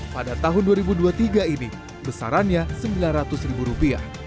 pada tahun dua ribu dua puluh tiga ini besarannya rp sembilan ratus